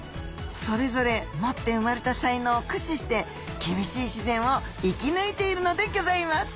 それぞれ持って生まれた才能を駆使して厳しい自然を生き抜いているのでぎょざいます。